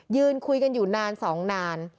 ยืนคุยกันอยู่นาน๒นาน